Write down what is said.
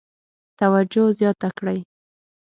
توجه زیاته کړي.